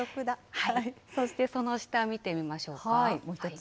そしてその下、見てみましょもう１つ。